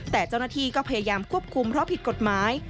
แต่เจ้าหน้าที่ก็พยายามควบคุมเพราะผิดกฎหมาย